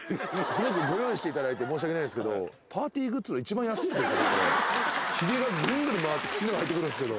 ご用意していただいて申し訳ないですけど、パーティーグッズの一番安いやつですよね。